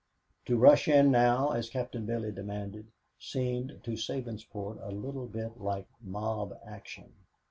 To rush in now, as Captain Billy demanded, seemed to Sabinsport a little bit like mob action.